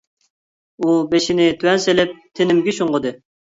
ئۇ بېشىنى تۆۋەن سېلىپ تېنىمگە شۇڭغۇدى.